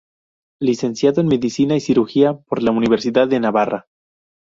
Licenciado en Medicina y Cirugía por la Universidad de Navarra.